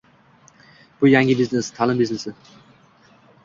Bu yangi biznes, ta’lim biznesi.